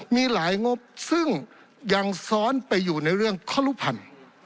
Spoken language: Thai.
มีหลายงบซึ่งยังซ้อนไปอยู่ในเรื่องข้อลุพันธุ์